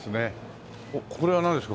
これはなんですか？